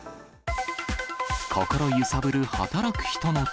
心揺さぶる働く人の手。